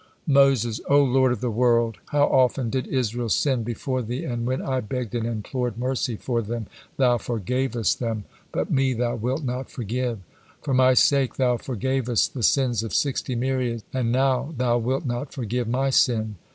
Moses: "O Lord of the world! How often did Israel sin before Thee, and when I begged and implored mercy for them, Thou forgavest them, but me Thou wilt not forgive! For my sake Thou forgavest the sins of sixty myriads, and not thou wilt not forgive my sin?"